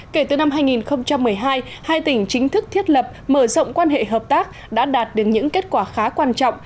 kể từ năm hai nghìn một mươi hai hai tỉnh chính thức thiết lập mở rộng quan hệ hợp tác đã đạt được những kết quả khá quan trọng